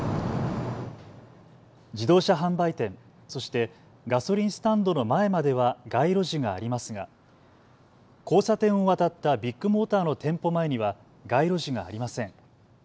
自動車販売店、そしてガソリンスタンドの前までは街路樹がありますが交差点を渡ったビッグモーターの店舗前には街路樹がありません。